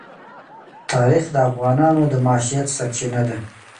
تاریخ د افغانانو د معیشت سرچینه ده.